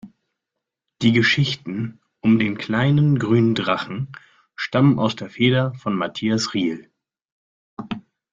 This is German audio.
Die Geschichten um den kleinen, grünen Drachen stammen aus der Feder von Matthias Riehl.